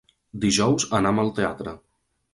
Dijous anam al teatre.